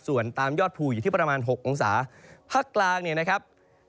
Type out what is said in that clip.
ส่วนตามยอดภูอยู่ที่ประมาณ๖องศาภาคกลางเนี่ยนะครับ